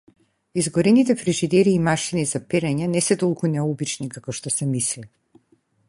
Изгорените фрижидери и машини за перење не се толку необични како што се мисли.